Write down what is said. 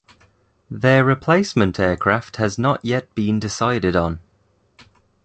Their replacement aircraft has not yet been decided on.